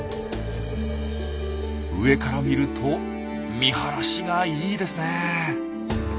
上から見ると見晴らしがいいですね。